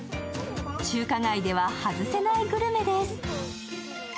中華街では外せないグルメです。